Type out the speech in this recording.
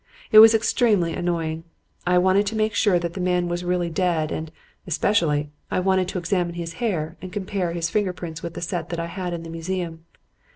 It was extremely annoying. I wanted to make sure that the man was really dead, and, especially, I wanted to examine his hair and to compare his finger prints with the set that I had in the museum.